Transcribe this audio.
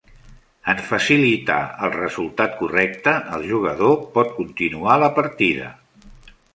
En facilitar el resultat correcte, el jugador pot continuar la partida.